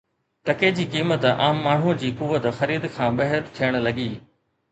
ٽڪي جي قيمت عام ماڻهوءَ جي قوت خرید کان ٻاهر ٿيڻ لڳي